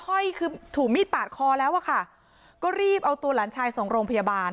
ห้อยคือถูกมีดปาดคอแล้วอะค่ะก็รีบเอาตัวหลานชายส่งโรงพยาบาล